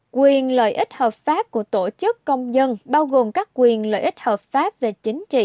quyền lợi ích hợp pháp của tổ chức công dân bao gồm các quyền lợi ích hợp pháp về chính trị